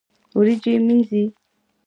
وريجي مينځي